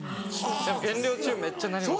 減量中めっちゃなります。